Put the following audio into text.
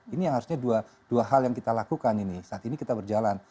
ini yang harusnya dua hal yang kita lakukan ini saat ini kita berjalan